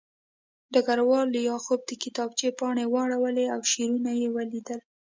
ډګروال لیاخوف د کتابچې پاڼې واړولې او شعرونه یې ولیدل